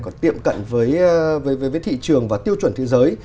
có tiệm cận với thị trường và tiêu chuẩn thế giới